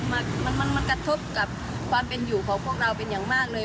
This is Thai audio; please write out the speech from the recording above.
มันมันกระทบกับความเป็นอยู่ของพวกเราเป็นอย่างมากเลย